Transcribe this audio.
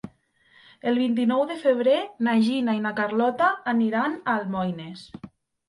El vint-i-nou de febrer na Gina i na Carlota aniran a Almoines.